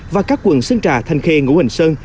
và các quận sơn trà thanh khê ngũ hành sơn